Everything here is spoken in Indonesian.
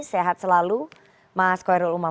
sehat selalu mas koirul umam